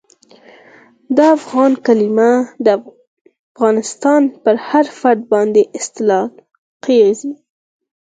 د افغان کلیمه د افغانستان پر هر فرد باندي اطلاقیږي.